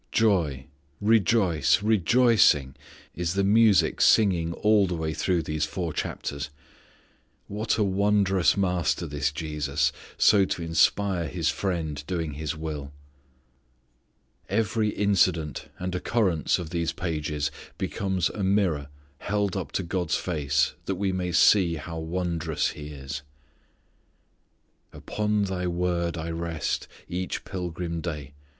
Joy, rejoice, rejoicing, is the music singing all the way through these four chapters. What a wondrous Master, this Jesus, so to inspire His friend doing His will! Every incident and occurrence of these pages becomes a mirror held up to God's face that we may see how wondrous He is. "Upon Thy Word I rest Each pilgrim day.